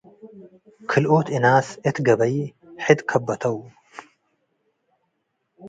ክልኦት እናስ እት ገበይ ሕድ ትከበ'ተው።